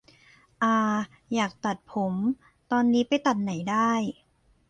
อา อยากตัดผม ตอนนี้ไปตัดไหนได้